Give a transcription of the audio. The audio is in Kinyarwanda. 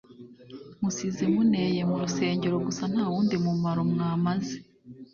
Musize muneye mu rusengero gusa nta wundi mumaro mwamaze